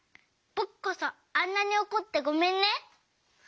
ぼくこそあんなにおこってごめんね。